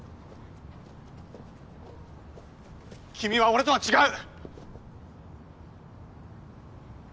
君は俺とは違う！